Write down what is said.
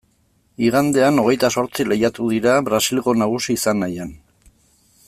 Igandean, hogeita zortzi, lehiatu dira Brasilgo nagusi izan nahian.